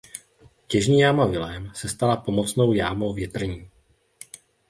Těžní jáma Vilém se stala pomocnou jámou větrní.